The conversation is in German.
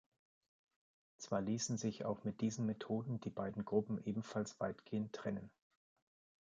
Zwar ließen sich auch mit diesen Methoden die beiden Gruppen ebenfalls weitgehend trennen.